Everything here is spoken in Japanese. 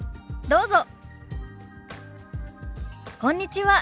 どうぞ。